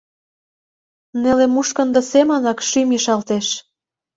Неле мушкындо семынак шӱм ишалтеш!..